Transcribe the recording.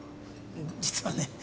実はね